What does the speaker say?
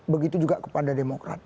begitu juga kepada demokrat